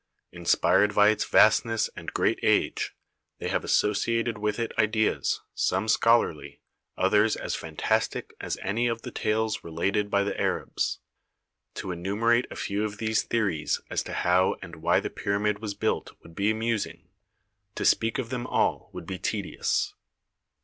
Inspired by its THE PYRAMID OF KHUFU 27 vastness and great age, they have associated with it ideas, some scholarly, others as fantastic as any of the tales related by the Arabs. To enumerate a few of these theories as to how and why the pyramid was built would be amusing; to speak of them all would be tedious.